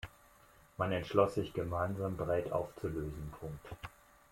Man entschloss sich gemeinsam, Bread aufzulösen.